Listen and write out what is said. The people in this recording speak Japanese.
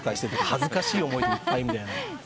恥ずかしい思いでいっぱいみたいな。